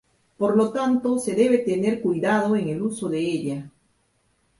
Por lo tanto, se debe tener cuidado en el uso de ella.